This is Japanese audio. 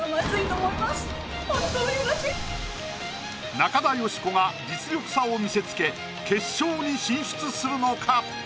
中田喜子が実力差を見せつけ決勝に進出するのか？